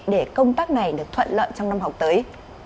để công tác này được thuận lợi trong năm học tới